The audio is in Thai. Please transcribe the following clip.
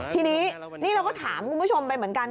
ทีนี้นี่เราก็ถามคุณผู้ชมไปเหมือนกัน